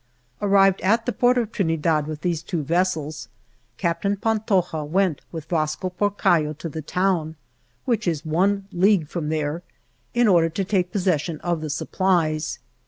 Arrived at the port of Trinidad with these two vessels, Captain Pantoja went with Vasco Porcallo to the town (which is one league from there) in order to take possession of the supplies.